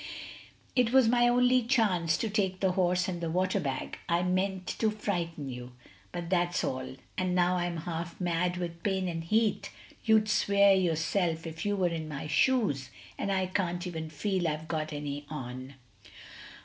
It was my only chance to take the horse and the water bag. I meant to frighten you, but that's all. And now I'm half mad with pain and heat; you'd swear yourself if you were in my shoes; and I can't even feel I've got any on!"